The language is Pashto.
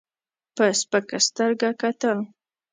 په سپکه سترګه کتل.